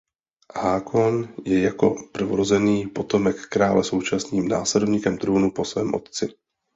Haakon je jako prvorozený potomek krále současným následníkem trůnu po svém otci.